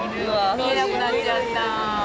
見えなくなっちゃった。